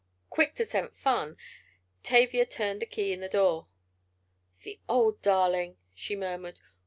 Quick to scent fun, Tavia turned the key in the door. "The old darling!" she murmured.